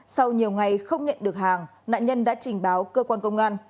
sau nhiều ngày không nhận được hàng nạn nhân đã trình báo cơ quan công an